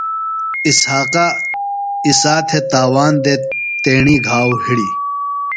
اسحاقہ عیسیٰ تھےۡ تاوان دےۡ تیݨی گھاؤ ہِڑیۡ۔